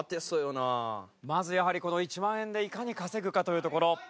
まずやはりこの１万円でいかに稼ぐかというところ。